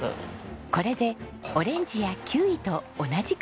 これでオレンジやキウイと同じくらいの甘さ。